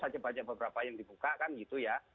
hanya banyak beberapa yang dibuka kan gitu ya